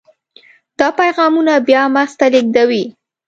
دا پیغامونه بیا مغز ته لیږدوي.